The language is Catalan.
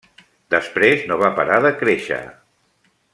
Després no va parar de créixer.